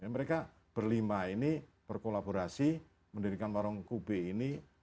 mereka berlima ini berkolaborasi mendirikan warung kube ini